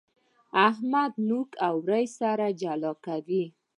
احمد نوک او اورۍ سره جلا کوي.